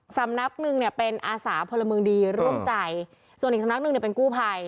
สำนักหนึ่งเนี่ยเป็นอาสาพลเมืองดีร่วมใจส่วนอีกสำนักหนึ่งเนี่ยเป็นกู้ภัย